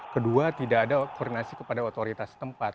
kedua tidak ada koordinasi kepada otoritas tempat